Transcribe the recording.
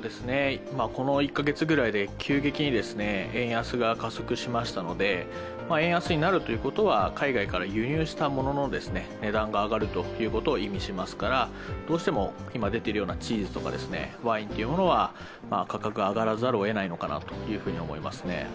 今この１カ月ぐらいで急激に、円安が加速しましたので円安になるということは、海外から輸入したものの値段が上がるということを意味しますからどうしても、今出ているようなチーズとかワインというものは価格が上がらざるをえないのかなと思いますね。